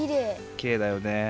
きれいだよね。